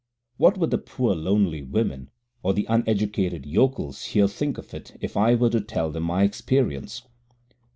What would the poor lonely women, or the uneducated yokels here think of it if I were to tell them my experience?